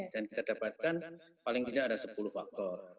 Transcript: dan kita dapatkan paling tidak ada sepuluh faktor